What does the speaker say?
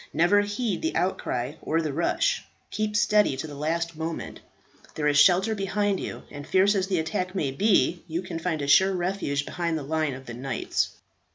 Never heed the outcry or the rush, keep steady to the last moment. There is shelter behind you, and fierce as the attack may be, you can find a sure refuge behind the line of the knights."